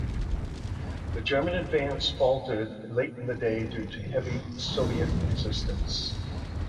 The German advance faltered late in the day due to heavy Soviet resistance.